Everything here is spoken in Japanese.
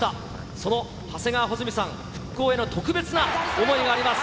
その長谷川穂積さん、復興への特別な想いがあります。